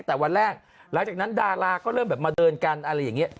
แต่วันแรกหลังจากนั้นดาราก็เริ่มแบบมาเดินกันอะไรอย่างนี้